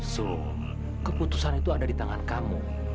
su keputusan itu ada di tangan kamu